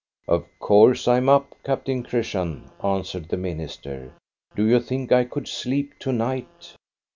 " Of course I am up, Captain Christian," answered the minister. " Do you think I could sleep to night?